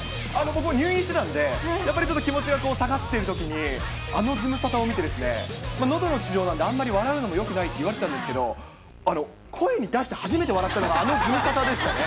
僕、入院してたんで、やっぱりちょっと気持ちが下がっているときに、あのズムサタを見て、のどの治療なんで、あんまり笑うのもよくないと言われてたんですけど、声に出して初めて笑ったのが、あのズムサタでしたね。